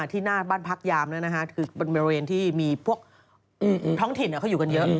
ที่หน้าบ้านพักยามคือเป็นบริเวณที่มีพวกท้องถิ่นเขาอยู่กันเยอะ